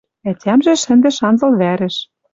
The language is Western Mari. Ӓтямжӹ шӹндӹш анзыл вӓрӹш.